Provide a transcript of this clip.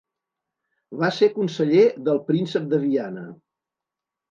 Va ser conseller del príncep de Viana.